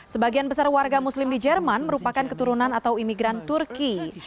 sebagian besar warga muslim di jerman merupakan keturunan atau imigran turki